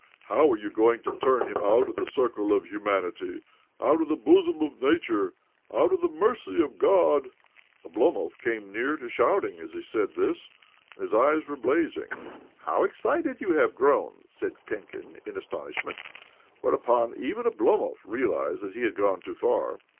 'How are you going to turn him out of the circle of humanity, out of the bosom of Nature, out of the mercy of God? " Oblomov came near to shouting as he said this, and his eyes were blazing. " How excited you have grown !" said Penkin in astonishment ; whereupon even Oblomov realized that he had gone too far.